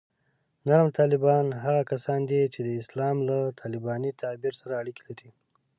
نرم طالبان هغه کسان دي چې د اسلام له طالباني تعبیر سره اړیکې لري